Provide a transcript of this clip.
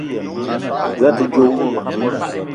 Za a te djo?